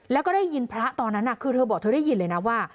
แล้วก็ได้ยินพระตอนนั้นคือเธอบอกเธอได้ยินเลยนะว่า